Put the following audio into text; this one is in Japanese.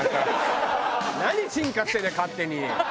何進化してんだよ勝手に。